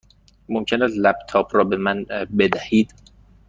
ممکن است لپ تاپ را به من بدهید؟